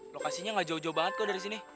lokasinya gak jauh jauh banget kok dari sini